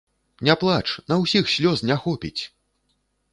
Не плач, на ўсіх слёз не хопіць!